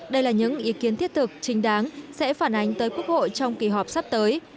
đây là những ý kiến thiết thực chính đáng sẽ phản ánh tới quốc hội trong kỳ họp sắp tới